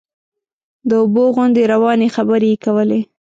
د اوبو غوندې روانې خبرې یې کولې.